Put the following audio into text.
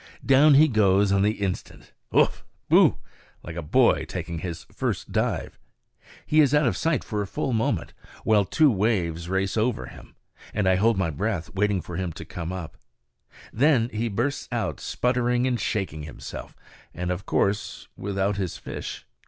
Down he goes on the instant, ugh! boo! like a boy taking his first dive. He is out of sight for a full moment, while two waves race over him, and I hold my breath waiting for him to come up. Then he bursts out, sputtering and shaking himself, and of course without his fish.